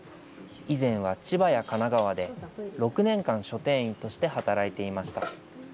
以前は千葉や神奈川で６年間、書店員として働いていました。